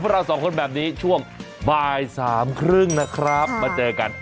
เราสองคนแบบนี้ช่วงบ่ายสามครึ่งนะครับมาเจอกัน